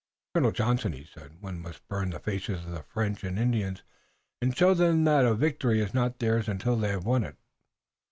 "Colonel Johnson," he said, "one must burn the faces of the French and Indians, and show them a victory is not theirs until they've won it.